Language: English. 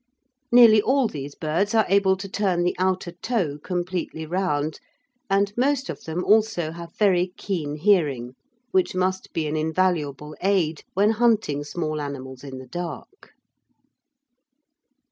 Nearly all these birds are able to turn the outer toe completely round, and most of them, also, have very keen hearing, which must be an invaluable aid when hunting small animals in the dark.